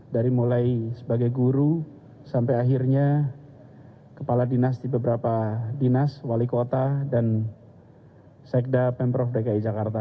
dari mulai sebagai guru sampai akhirnya kepala dinas di beberapa dinas wali kota dan sekda pemprov dki jakarta